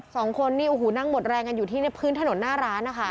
สองคนนี่โอ้โหนั่งหมดแรงกันอยู่ที่พื้นถนนหน้าร้านนะคะ